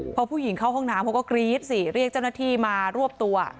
พอผู้หญิงเข้าห้องน้ำเขาก็กรี๊ดสิเรียกเจ้าหน้าที่มารวบตัว